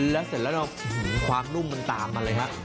แล้วเสร็จแล้วความนุ่มมันตามมาเลยฮะ